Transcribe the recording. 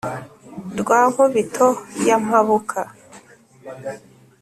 Rwa Nkubito ya Mpabuka